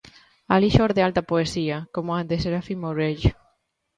Alí xorde alta poesía, como a de Serafín Mourelle.